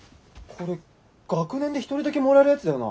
これ学年で１人だけもらえるやつだよな？